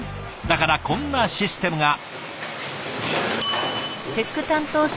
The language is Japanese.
だからこんなシステムが。